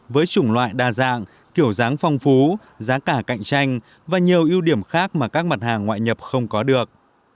với chủng loại đa dạng kiểu dáng phong phú giá cả cạnh tranh và nhiều ưu điểm khác mà các mặt hàng ngoại nhập không có được